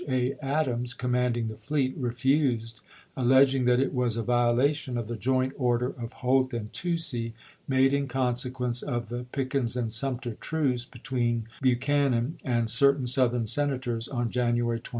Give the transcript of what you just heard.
A. Adams, commanding the fleet, refused, alleging that it was a violation of the joint order of Holt and Toucey made in consequence of the Pick ens and Sumter truce between Buchanan and cer tain Southern Senators on January 29.